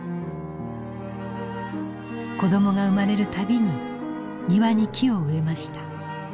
子どもが生まれるたびに庭に木を植えました。